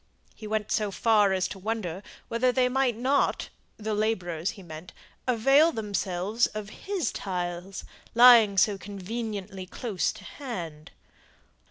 He went so far as to wonder whether they might not the labourers he meant avail themselves of his tiles, lying so conveniently close to hand.